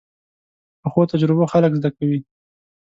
پخو تجربو خلک زده کوي